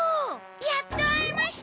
やっと会えました！